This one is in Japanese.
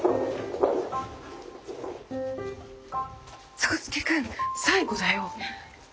宗資君最後だよ。